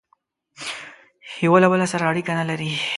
یوه له بل سره اړیکي نه لري